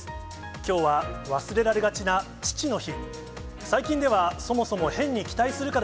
きょうは忘れられがちな父の日。